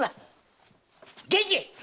源次！